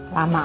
lama amat sih